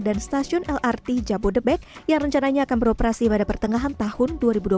dan stasiun lrt jabodebek yang rencananya akan beroperasi pada pertengahan tahun dua ribu dua puluh tiga